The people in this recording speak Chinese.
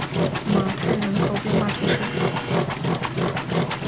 马泰人口变化图示